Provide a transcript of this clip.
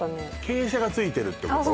傾斜がついてるってこと？